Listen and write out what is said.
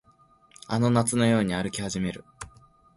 あの夏のように歩き始める